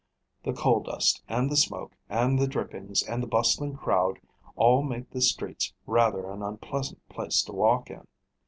The coal dust, and the smoke, and the drippings, and the bustling crowd, all make the streets rather an unpleasant place to walk in.